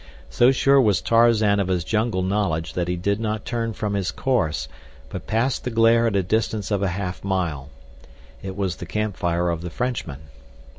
So sure was Tarzan of his jungle knowledge that he did not turn from his course, but passed the glare at a distance of a half mile. It was the camp fire of the Frenchmen.